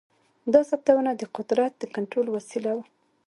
دا ثبتونه د قدرت د کنټرول وسیله وه.